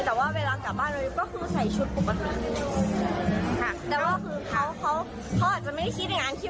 แต่ว่าเวลากลับบ้านพวกนี้ก็คือใส่ชุดอุปกรณี